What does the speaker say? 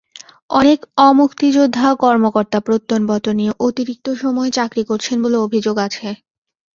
অনেক অমুক্তিযোদ্ধা কর্মকর্তা প্রত্যয়নপত্র নিয়ে অতিরিক্ত সময় চাকরি করছেন বলে অভিযোগ আছে।